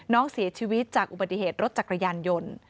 น้องเสียชีวิตจากอุบัติเหตุรถจักรยานยนต์